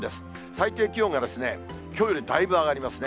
最低気温がきょうよりだいぶ上がりますね。